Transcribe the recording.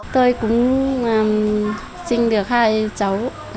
tôi cũng sinh được hai cháu